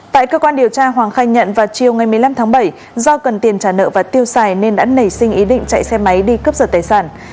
tại cơ quan điều tra hoàng khai nhận vào chiều ngày một mươi năm tháng bảy do cần tiền trả nợ và tiêu xài nên đã nảy sinh ý định chạy xe máy đi cướp giật tài sản